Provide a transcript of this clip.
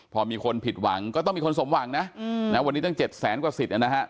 พอมีคนผิดหวังก็ต้องมีคนสมหวังนะวันนี้ตั้ง๗แสนกว่าสิทธิ์นะฮะ